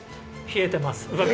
冷えてます。